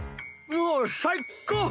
もう最っ高！